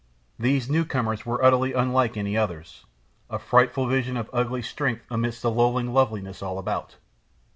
These newcomers were utterly unlike any others a frightful vision of ugly strength amidst the lolling loveliness all about.